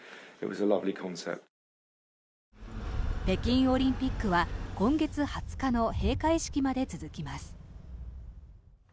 北京オリンピックは今月２０日の閉会式まで続きます。